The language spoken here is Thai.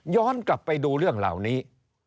กลับไปดูเรื่องเหล่านี้